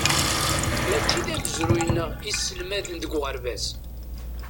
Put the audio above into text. Mačči d amezruy-nneɣ i sselmaden deg uɣerbaz.